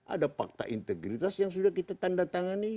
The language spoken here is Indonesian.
ada fakta integritas yang sudah kita tanda tangani